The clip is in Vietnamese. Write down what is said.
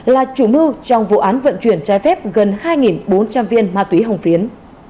là chủ mưu trong vụ án vận chuyển trái phép gần hai bốn trăm linh viên ma túy hồng phiến